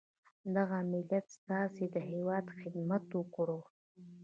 دغه ملت ستاسي د هیواد خدمت وکړو.